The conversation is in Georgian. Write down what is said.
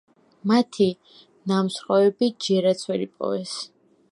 მათი ნამსხვრევები ჯერაც ვერ იპოვეს.